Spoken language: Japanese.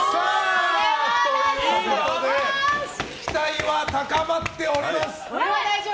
期待は高まっております！